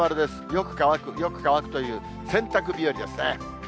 よく乾く、よく乾くという洗濯日和ですね。